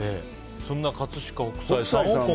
そんな葛飾北斎さんを今回。